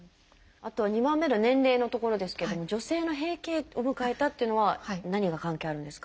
あとは２番目の年齢のところですけども女性の「閉経を迎えた」というのは何が関係あるんですか？